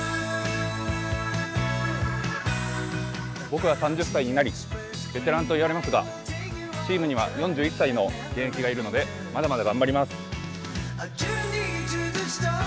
僕は３０歳になり、ベテランといわれますがチームには４１歳の現役がいるのでまだまだ頑張ります。